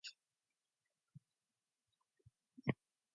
Arriving on Earth for the first time has been a fascinating experience.